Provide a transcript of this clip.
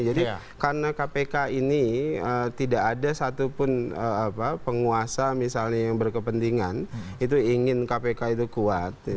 karena kpk ini tidak ada satupun penguasa misalnya yang berkepentingan itu ingin kpk itu kuat